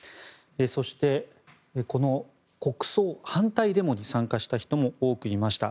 そして、この国葬反対デモに参加した人も多くいました。